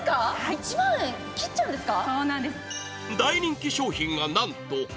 １万円切っちゃうんですか？！